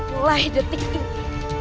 mulai detik ini